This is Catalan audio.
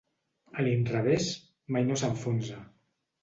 A l'inrevés, mai no s'enfonsa.